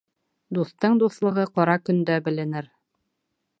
Дуҫтың дуҫлығы ҡара көндә беленер.